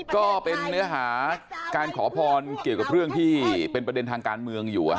ก็เป็นเนื้อหาการขอพรเกี่ยวกับเรื่องที่เป็นประเด็นทางการเมืองอยู่